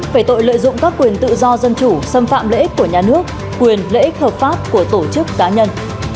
về tội lợi dụng các quyền tự do dân chủ xâm phạm lợi ích của nhà nước quyền lợi ích hợp pháp của tổ chức cá nhân